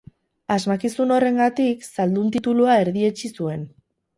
Asmakizun horrengatik zaldun titulua erdietsi zuen.